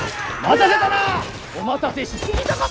待たせたな！